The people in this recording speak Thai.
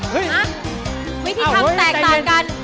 อ่ะวิธีทำแตกต่างกัน